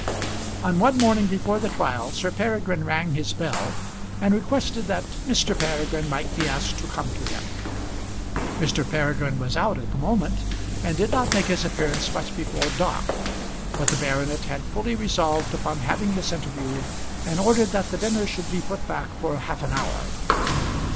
On one morning before the trial Sir Peregrine rang his bell and requested that Mr. Peregrine might be asked to come to him. Mr. Peregrine was out at the moment, and did not make his appearance much before dark, but the baronet had fully resolved upon having this interview, and ordered that the dinner should be put back for half an hour.